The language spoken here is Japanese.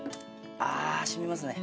あ染みますね。